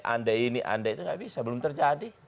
ande ini ande itu enggak bisa belum terjadi